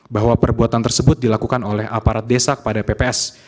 bahwa perbuatan tersebut dilakukan oleh aparat desa kepada pps